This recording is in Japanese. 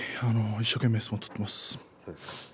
一生懸命相撲を取っています。